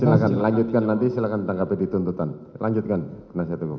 silahkan lanjutkan nanti silahkan tangkapi di tuntutan lanjutkan penasihat hukum